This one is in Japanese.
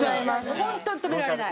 ホントに止められない。